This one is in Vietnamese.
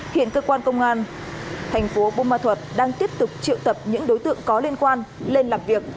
hiện cơ quan công an thành phố bô ma thuật đang tiếp tục triệu tập những đối tượng có liên quan lên làm việc